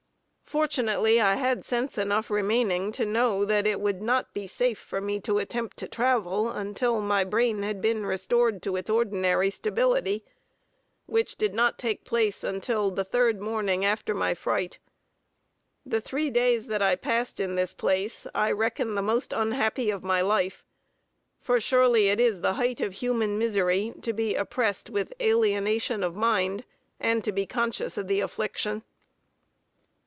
Fortunately I had sense enough remaining to know that it would not be safe for me to attempt to travel, until my brain had been restored to its ordinary stability; which did not take place until the third morning after my fright. The three days that I passed in this place I reckon the most unhappy of my life; for surely it is the height of human misery to be oppressed with alienation of mind, and to be conscious of the affliction.